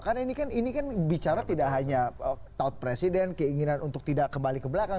karena ini kan bicara tidak hanya taut presiden keinginan untuk tidak kembali ke belakang